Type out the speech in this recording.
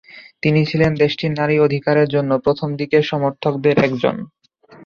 তিনি ছিলেন দেশটির নারী অধিকারের জন্য প্রথম দিকের সমর্থকদের একজন।